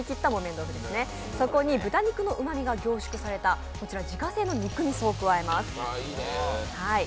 そこに豚肉のうまみが凝縮された自家製の肉みそを加えます。